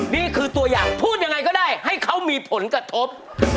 นี่คือตัวอย่างพูดยังไงก็ได้ให้เขามีผลกระทบ